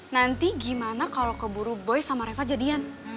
nanti gimana kalau keburu boy sama reva jadian